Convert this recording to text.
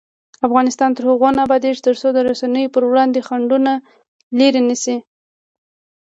افغانستان تر هغو نه ابادیږي، ترڅو د رسنیو پر وړاندې خنډونه لیرې نشي.